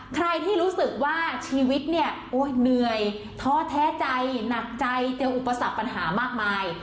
ใครที่รู้สึกว่าชีวิตเนี่ยโอ้ยเหนื่อยท้อแท้ใจหนักใจเจออุปสรรคปัญหามากมาย